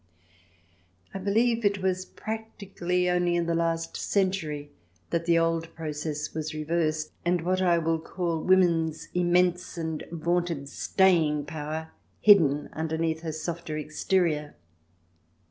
I believe that it was practically only in the last century that the old process was reversed and what I will call woman's immense and vaunted " staying power " hidden underneath her softer exterior.